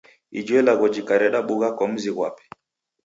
Ijo ilagho jikareda bugha kwa mzi ghwape.